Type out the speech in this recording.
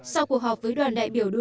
sau cuộc họp với đoàn đại biểu